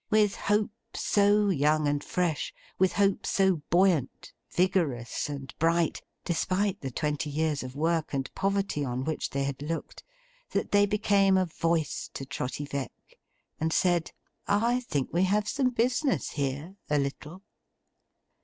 With Hope so young and fresh; with Hope so buoyant, vigorous, and bright, despite the twenty years of work and poverty on which they had looked; that they became a voice to Trotty Veck, and said: 'I think we have some business here—a little!